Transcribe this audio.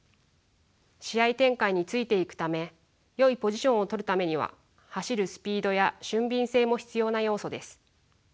試合展開についていくためよいポジションを取るためには走るスピードや俊敏性も必要な要素です。